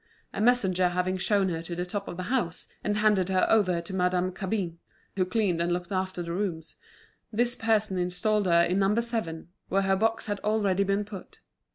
A messenger having shown her to the top of the house, and handed her over to Madame Cabin, who cleaned and looked after the rooms, this person installed her in No. 7, where her box had already been put.